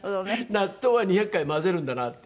納豆は２００回混ぜるんだなって。